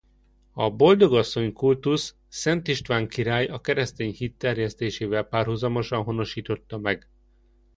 A Boldogasszony kultuszt Szent István király a keresztény hit terjesztésével párhuzamosan honosította meg.